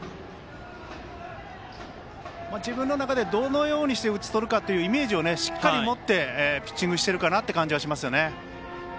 自分の中でどのようにして打ち取るかをイメージをしっかり持ってピッチングしている感じがします。